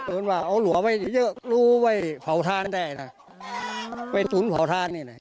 เอาหลัวไว้เยอะรู้ไว้เผาธ่านได้นะไปตุ๋นเผาธ่านนี่นะ